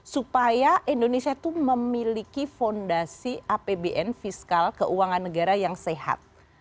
supaya indonesia itu memiliki fondasi apbn fiskal keuangan negara yang sehat